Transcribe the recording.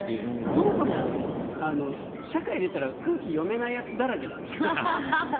そもそも、社会に出たら空気読めないやつだらけだから。